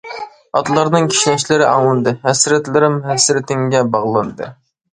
ئاتلارنىڭ كىشنەشلىرى ئاڭلاندى، ھەسرەتلىرىم ھەسرىتىڭگە باغلاندى.